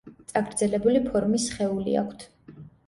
წაგრძელებული ფორმის სხეული აქვთ.